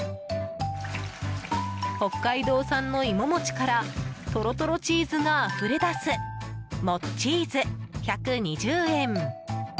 北海道産の芋餅からとろとろチーズがあふれ出すもっちーず、１２０円。